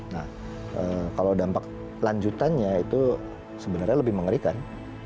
nah kalau dampak lanjutannya itu sebenarnya lebih mengerikan